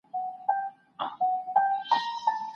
هغې خپله وظیفه نه ده پرې ايښې.